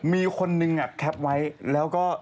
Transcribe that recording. มีคนนึงแคปไว้แล้วก็